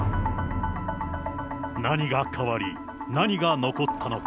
何が変わり、何が残ったのか。